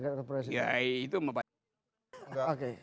ya itu membanyakan